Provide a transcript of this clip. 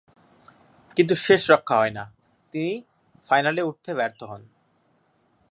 কিন্তু শেষ রক্ষা হয়না, তিনি ফাইনালে উঠতে ব্যর্থ হন।